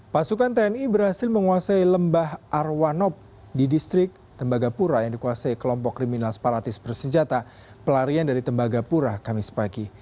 pasukan tni berhasil menguasai lembah arwanop di distrik tembagapura yang dikuasai kelompok kriminal separatis bersenjata pelarian dari tembagapura kamis pagi